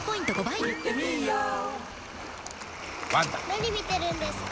・何見てるんですか？